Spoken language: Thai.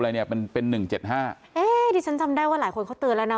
อะไรเนี่ยเป็นเป็น๑๗๕เอ๊ดิฉันจำได้ว่าหลายคนเขาเตือนแล้วน่ะ